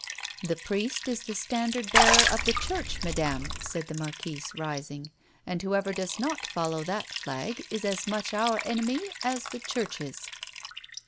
" The priest is the standard bearer of the church, madame," said the marquise, rising, " and, whoever does not follow that flag is as much ovir enemy as the church's."